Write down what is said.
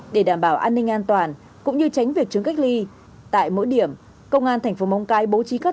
để đảm bảo an ninh an toàn cũng như tránh việc chứng cách ly tại mỗi điểm công an thành phố mông cái bố trí cất